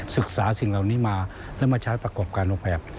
สิ่งเหล่านี้มาและมาใช้ประกอบการออกแบบ